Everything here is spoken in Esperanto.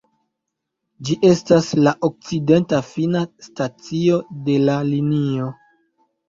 Ĝi estas la okcidenta fina stacio de la linio.